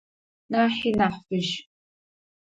Нахьи нахь фыжь.